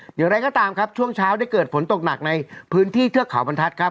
อย่างไรก็ตามครับช่วงเช้าได้เกิดฝนตกหนักในพื้นที่เทือกเขาบรรทัศน์ครับ